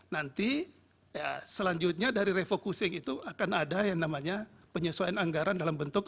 nanti selanjutnya dari refocusing itu akan ada yang namanya penyesuaian anggaran dalam bentuk